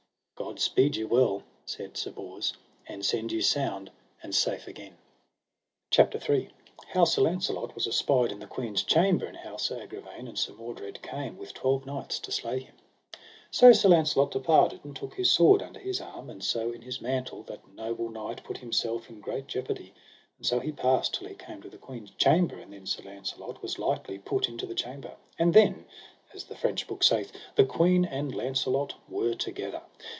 God speed you well, said Sir Bors, and send you sound and safe again. CHAPTER III. How Sir Launcelot was espied in the queen's chamber, and how Sir Agravaine and Sir Mordred came with twelve knights to slay him. So Sir Launcelot departed, and took his sword under his arm, and so in his mantle that noble knight put himself in great Jeopardy; and so he passed till he came to the queen's chamber, and then Sir Launcelot was lightly put into the chamber. And then, as the French book saith, the queen and Launcelot were together.